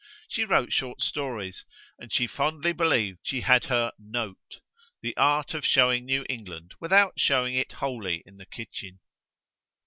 She wrote short stories, and she fondly believed she had her "note," the art of showing New England without showing it wholly in the kitchen.